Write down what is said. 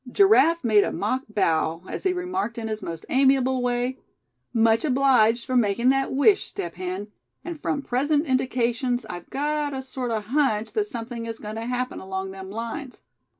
Giraffe made a mock bow, as he remarked in his most amiable way: "Much obliged for making that wish, Step Hen; and from present indications I've got a sort of hunch that something is going to happen along them lines.